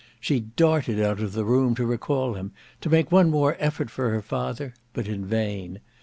She darted out of the room to recall him; to make one more effort for her father; but in vain.